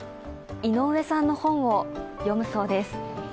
井上さんの本を読むそうです。